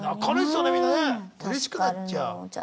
うれしくなっちゃう。